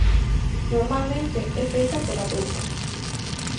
Normalmente é feita pola toupa.